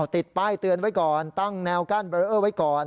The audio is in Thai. ติดป้ายเตือนไว้ก่อนตั้งแนวกั้นเบลเออร์ไว้ก่อน